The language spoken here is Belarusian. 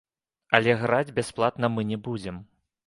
Але граць бясплатна мы не будзем.